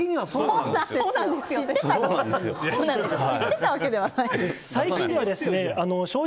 知ってたわけではないでしょ。